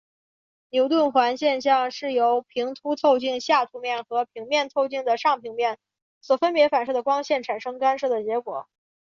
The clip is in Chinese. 牛顿环现象是由平凸透镜下凸面和平面透镜的上平面所分别反射的光线产生干涉的结果。